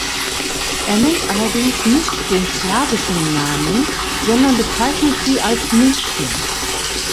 Er nennt allerdings nicht den slawischen Namen, sondern bezeichnet sie als Nymphen.